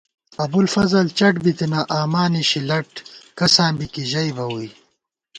ابُوالفضل چٹ بِتنہ آما نِشی لٹ کساں بی کی ژئیبہ ووئی